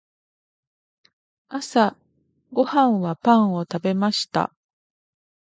朝ごはんはパンを食べました。